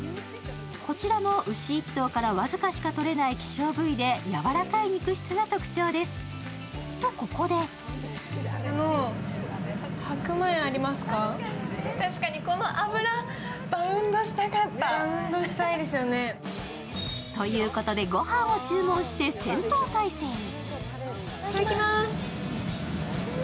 こちらも牛１頭から僅かしかとれない希少部位で、やわらかい肉質が特徴です。ということでご飯を注文して戦闘態勢に。